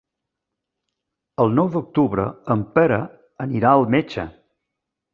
El nou d'octubre en Pere anirà al metge.